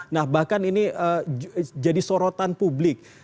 nah bahkan ini jadi sorotan publik